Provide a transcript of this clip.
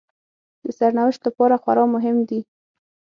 د سرنوشت لپاره خورا مهم دي